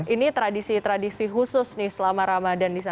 ini tradisi tradisi khusus nih selama ramadan